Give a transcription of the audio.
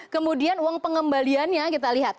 kemudian uang pengembaliannya kita lihat